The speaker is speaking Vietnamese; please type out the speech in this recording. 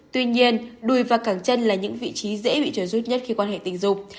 tuy nhiên đùi và càng chân là những vị trí dễ bị trôi rút nhất khi quan hệ tình dục